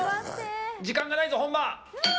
時間がないぞ、本間！